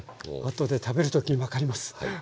後で食べる時に分かります。